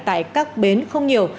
tại các bến không nhiều